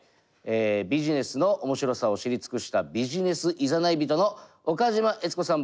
ビジネスの面白さを知り尽くしたビジネス誘い人の岡島悦子さん